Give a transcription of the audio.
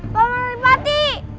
paman dari pati